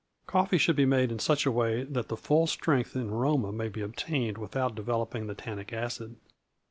Coffee should be made in such a way that the full strength and aroma may be obtained without developing the tannic acid.